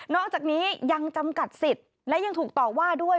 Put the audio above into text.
อกจากนี้ยังจำกัดสิทธิ์และยังถูกต่อว่าด้วย